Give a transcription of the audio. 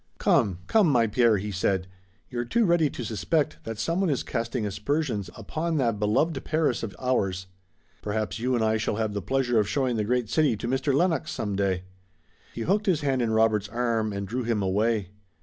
"Come! come, my Pierre," he said. "You're too ready to suspect that someone is casting aspersions upon that beloved Paris of ours. Perhaps you and I shall have the pleasure of showing the great city to Mr. Lennox some day." He hooked his hand in Robert's arm and drew him away.